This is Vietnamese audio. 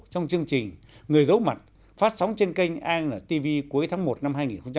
trong chương trình người giấu mặt phát sóng trên kênh antv cuối tháng một năm hai nghìn một mươi chín